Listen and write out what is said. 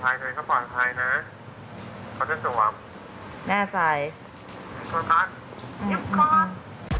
ยังคง